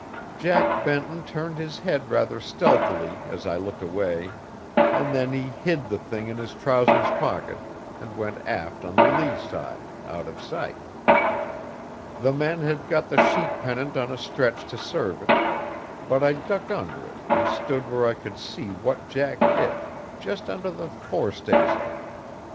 Jack Benton turned his head rather stealthily as I looked away, and then he hid the thing in his trousers pocket, and went aft on the lee side, out of sight. The men had got the sheet pennant on a stretch to serve it, but I ducked under it and stood where I could see what Jack did, just under the fore staysail.